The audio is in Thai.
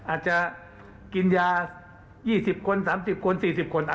อาจจะกินยา๒๐๓๐๔๐คนอะไรก็แล้ว